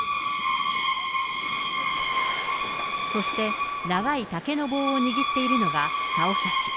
そして長い竹の棒を握っているのがさおさし。